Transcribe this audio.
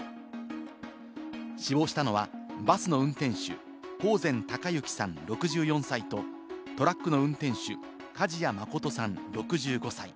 死亡したのはバスの運転手・興膳孝幸さん６４歳と、トラックの運転手、梶谷誠さん６５歳。